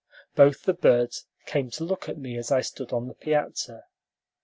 Both the birds came to look at me as I stood on the piazza.